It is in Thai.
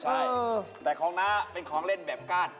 ใช่แต่ของน้าเป็นของเล่นแบบก้าน